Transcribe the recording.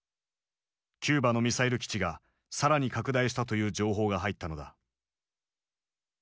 キューバのミサイル基地が更に拡大したという情報が入ったのだ。